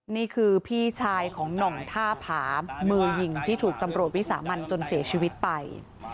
นี่คือพี่ชายของหน่องท่าผามือยิงที่ถูกตำรวจวิสามันจนเสียชีวิตไป